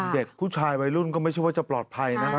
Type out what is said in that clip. เด็กผู้ชายใบรุ่นก็ไม่ว่าจะปลอดภัยนะคะ